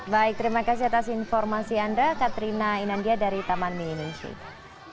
baik terima kasih atas informasi anda katrina inandia dari taman mini indonesia